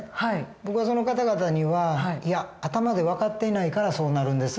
僕はその方々にはいや頭で分かっていないからそうなるんです。